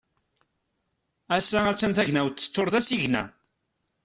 Ass-a a-t-an tagnawt teččur d asigna.